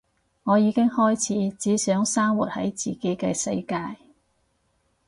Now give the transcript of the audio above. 我已經開始只想生活喺自己嘅世界